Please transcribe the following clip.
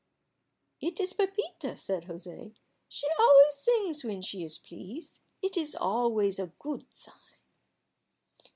"It is Pepita," said José. "She always sings when she is pleased. It is always a good sign."